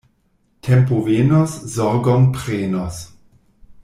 Tempo venos, zorgon prenos.